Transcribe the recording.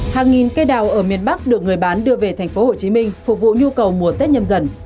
hàng nghìn cây đào ở miền bắc được người bán đưa về thành phố hồ chí minh phục vụ nhu cầu mùa tết nhâm dần